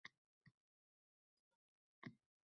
Nargiza oyisiga hammasini aytib berdi